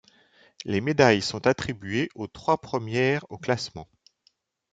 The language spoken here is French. Les médailles sont attribuées aux trois premières au classement.